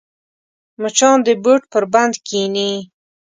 مچان د بوټ پر بند کښېني